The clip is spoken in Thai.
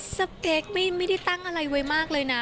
สเปคไม่ได้ตั้งอะไรไว้มากเลยนะ